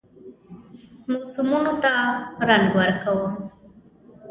موسمونو ته رنګ ورکوم